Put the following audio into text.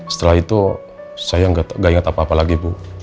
setelah itu saya nggak ingat apa apa lagi bu